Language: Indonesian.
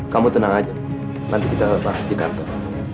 kamu tenang saja nanti kita lepas di kantor